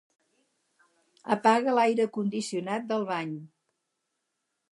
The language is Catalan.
Apaga l'aire condicionat del bany.